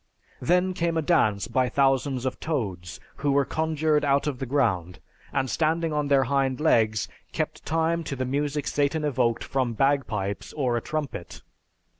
Then came a dance by thousands of toads who were conjured out of the ground and standing on their hind legs kept time to the music Satan evoked from bagpipes or a trumpet.